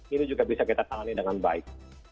ini juga bisa kita tangani dengan baik